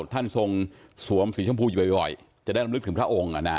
ท่านทรงสวมสีชมพูอยู่บ่อยจะได้ลำลึกถึงพระองค์